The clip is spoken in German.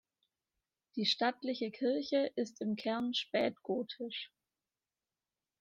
Die stattliche Kirche ist im Kern spätgotisch.